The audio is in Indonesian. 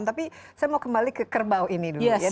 tapi saya mau kembali ke kerbau ini dulu ya